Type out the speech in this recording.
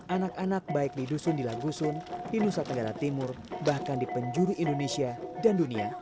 anak anak baik di dusun di lagusun di nusa tenggara timur bahkan di penjuru indonesia dan dunia